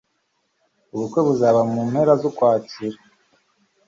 ubukwe buzaba mu mpera z'ukwakira